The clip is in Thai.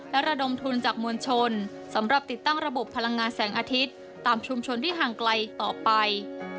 และระดมทุนจากมวลชนสำหรับติดตั้งระบบพลังงานแสงอาทิตย์ตามชุมชนที่ห่างไกลต่อไป